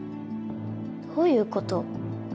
どういうこと？